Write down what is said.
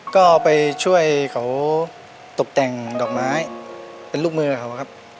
ก็ไปช่วยเขาตกแต่งดอกไม้เป็นลูกมือเขาครับ